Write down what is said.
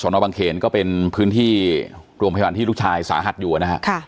นบังเขนก็เป็นพื้นที่โรงพยาบาลที่ลูกชายสาหัสอยู่นะฮะ